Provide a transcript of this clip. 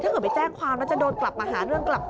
ไปแจ้งความแล้วจะโดนกลับมาหาเรื่องกลับ